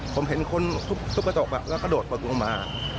ผมเห็นคนทุบกระจกกระโดดปลดลงมา